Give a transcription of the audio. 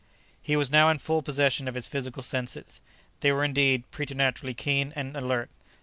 He was now in full possession of his physical senses. They were, indeed, preternaturally keen and alert.